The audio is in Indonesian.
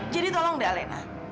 jadi tolong deh alena